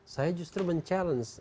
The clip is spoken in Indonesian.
saya justru mencabar